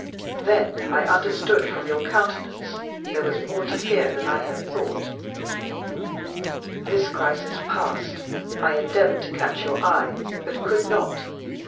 Then I understood from your countenance there was more to fear than I had thought. This crisis past, I endeavored to catch your eye, but could not.